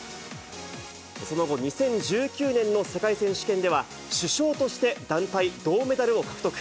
その後、２０１９年の世界選手権では、主将として団体銅メダルを獲得。